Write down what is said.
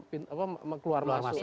pengawasan apa keluar masuk